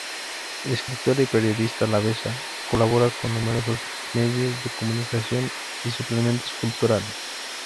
Escritora y periodista alavesa, colabora con numerosos medio de comunicación y suplementos culturales.